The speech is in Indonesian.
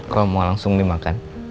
kalau mau langsung dimakan